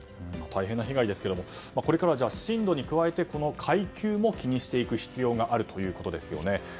大変な被害ですがこれからは震度に加えてこの階級も気にしていく必要があるということですね。